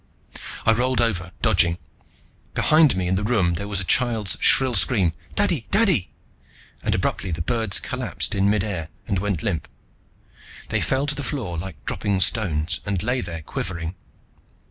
I rolled over, dodging. Behind me in the room there was a child's shrill scream: "Daddy! Daddy!" And abruptly the birds collapsed in midair and went limp. They fell to the floor like dropping stones and lay there quivering.